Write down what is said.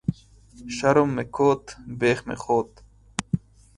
شرم مې کوت ، بيخ مې خوت